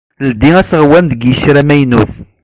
Ldi aseɣwen deg yiccer amaynut.